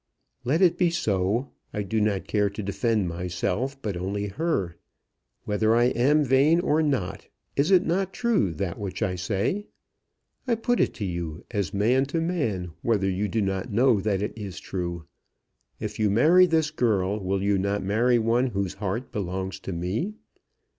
"Let it be so. I do not care to defend myself, but only her. Whether I am vain or not, is it not true that which I say? I put it to you, as man to man, whether you do not know that it is true? If you marry this girl, will you not marry one whose heart belongs to me?